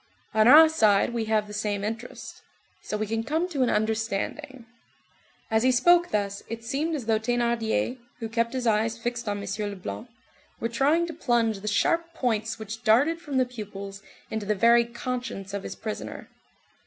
On our side we have the same interest. So we can come to an understanding." As he spoke thus, it seemed as though Thénardier, who kept his eyes fixed on M. Leblanc, were trying to plunge the sharp points which darted from the pupils into the very conscience of his prisoner.